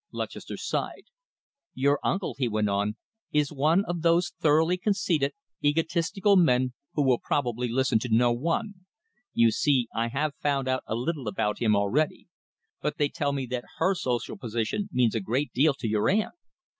Lutchester sighed. "Your uncle," he went on, "is one of those thoroughly conceited, egotistical men who will probably listen to no one. You see, I have found out a little about him already. But they tell me that her social position means a great deal to your aunt.